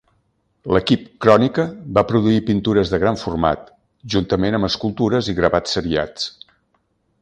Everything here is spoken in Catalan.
L'Equip Crònica va produir pintures de gran format, juntament amb escultures i gravats seriats.